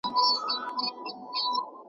په مشاعره کي دیکلمه کړی دی .